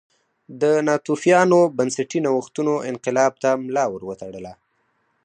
د ناتوفیانو بنسټي نوښتونو انقلاب ته ملا ور وتړله